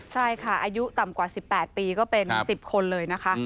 ใช่ค่ะอายุต่ำกว่า๑๘ปีก็เป็น๑๐คนเลยนะคะ